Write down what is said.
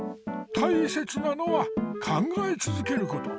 たいせつなのは考えつづけること。